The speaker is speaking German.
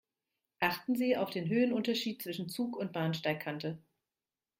Achten Sie auf den Höhenunterschied zwischen Zug und Bahnsteigkante.